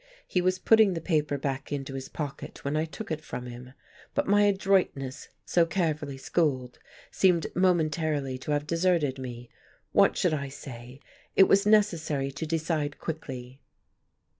He was putting the paper back into his pocket when I took it from him. But my adroitness, so carefully schooled, seemed momentarily to have deserted me. What should I say? It was necessary to decide quickly.